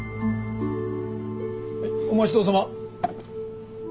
お待ちどおさま。